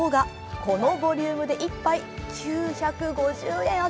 このボリュームで１杯９５０円。